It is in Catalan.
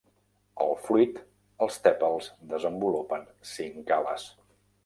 Al fruit, els tèpals desenvolupen cinc ales.